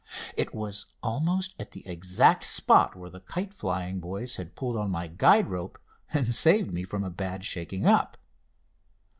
It was almost at the exact spot where the kite flying boys had pulled on my guide rope and saved me from a bad shaking up.